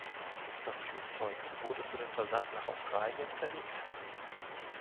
Das Flugzeug wurde für den Versand nach Australien zerlegt.